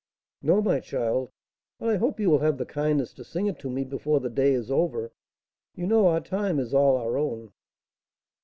"No, my child; but I hope you will have the kindness to sing it to me before the day is over. You know our time is all our own."